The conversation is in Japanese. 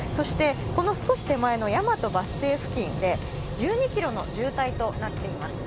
この少し手前の大和バス停付近で、１２ｋｍの渋滞となっています。